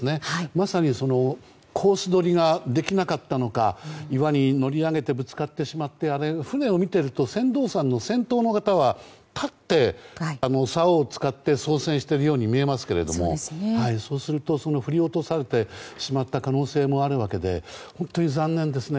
まさにコース取りができなかったのか岩に乗り上げてぶつかってしまって船を見ていると船頭さんの先頭の方は立って、さおを使って操船しているように見えますがそうすると振り落とされてしまった可能性もあるわけで本当に残念ですね。